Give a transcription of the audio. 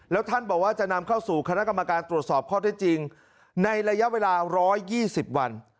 แล้วท่านบอกว่าจะนำเข้าสู่คณะกรรมการตรวจสอบข้อได้จริงในระยะเวลา๑๒๐วัน